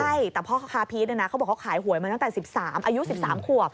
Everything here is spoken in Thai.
ใช่แต่พ่อคาพีชเขาบอกว่าเขาขายหวยมาตั้งแต่๑๓อายุ๑๓ขวบ